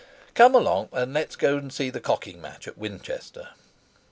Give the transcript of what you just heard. Come along, and let's go see the cocking match at Winchester.